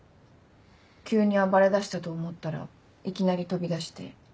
急に暴れ出したと思ったらいきなり飛び出して。